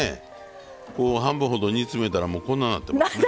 半分ほど煮詰めたらもうこんなんなってますね。